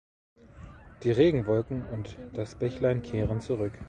Die Regenwolken und das Bächlein kehren zurück.